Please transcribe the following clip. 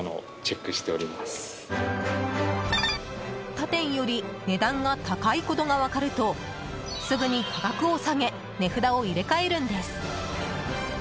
他店より値段が高いことが分かるとすぐに価格を下げ値札を入れ替えるんです。